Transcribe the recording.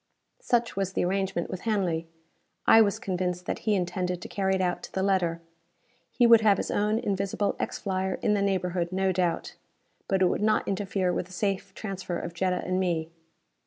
Such was the arrangement with Hanley. I was convinced that he intended to carry it out to the letter. He would have his own invisible X flyer in the neighborhood, no doubt. But it would not interfere with the safe transfer of Jetta and me.